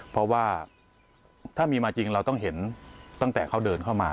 เพราะว่าถ้ามีมาจริงเราต้องเห็นตั้งแต่เขาเดินเข้ามา